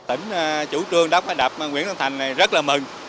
tỉnh chủ trương đóng cái đập nguyễn văn thành này rất là mừng